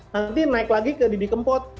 nanti naik lagi ke didi kempot